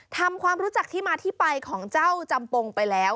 ทำความรู้จักที่มาที่ไปของเจ้าจำปงไปแล้ว